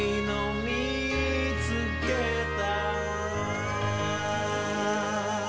「みいつけた！」。